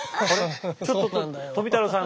ちょっと富太郎さん